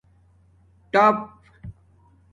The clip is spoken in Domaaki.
ٹآپ